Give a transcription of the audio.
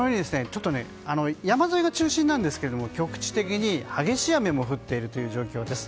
山沿いが中心なんですが局地的に激しい雨も降っているという状況です。